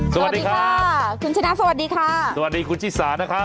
สวัสดีค่ะคุณชนะสวัสดีค่ะสวัสดีคุณชิสานะครับ